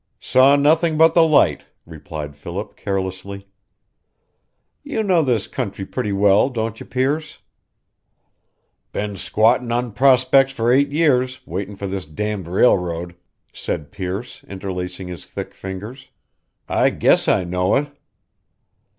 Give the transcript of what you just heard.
"Saw nothing but the light," replied Philip, carelessly. "You know this country pretty well, don't you, Pearce?" "Been 'squatting' on prospects for eight years, waiting for this damned railroad," said Pearce, interlacing his thick fingers. "I guess I know it!"